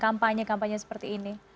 kampanye kampanye seperti ini